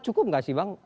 cukup gak sih bang